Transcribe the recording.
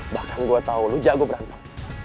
bahkan gue tau lo jago berantem